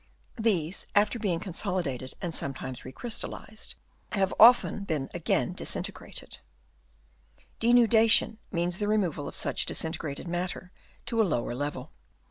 These after being consolidated and sometimes Chap. V. AND DENUDATION. 233 recrystallized, have often been again dis integrated. Denudation means the removal of such disintegrated matter to a lower level.